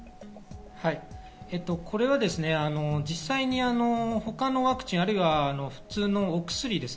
これは実際に他のワクチン、或いはお薬。